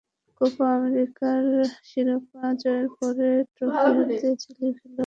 Copa আমেরিকার শিরোপা জয়ের পরে ট্রফি হাতে চিলির খেলোয়াড় অ্যালেক্সিস সানচেজের আনন্দ।